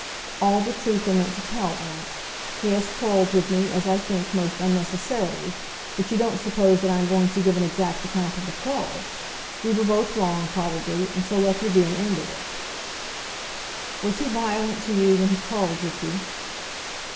"All the truth I mean to tell, aunt. He has quarrelled with me, as I think, most unnecessarily, but you don't suppose that I am going to give an exact account of the quarrel? We were both wrong, probably, and so let there be an end of it." "Was he violent to you when he quarrelled with you?"